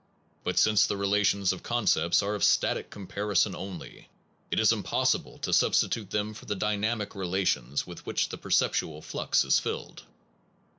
But since the relations of quate concepts are of static comparison only, it is impossible to substitute them for the dynamic relations with which the perceptual flux is rilled.